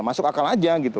masuk akal aja gitu